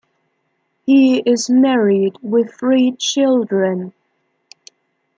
He is married with three children.